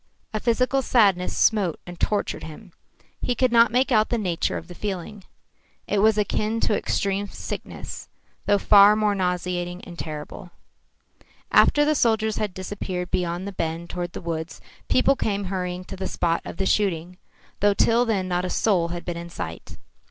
A physical sadness smote and tortured him. He could not make out the nature of the feeling. It was akin to extreme sickness, though far more nauseating and terrible. After the soldiers had disappeared beyond the bend toward the woods, people came hurrying to the spot of the shooting, though till then not a soul had been in sight.